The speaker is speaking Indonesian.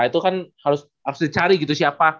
itu kan harus dicari gitu siapa